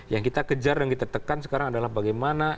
yang kita kejar dan kita tekan sekarang adalah bagaimana